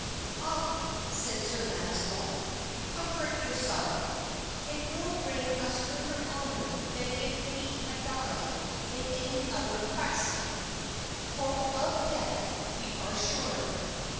"Ah," said Sir Launcelot, "comfort yourself; it will bring us greater honor than if we had died in any other quest, for of death we are sure."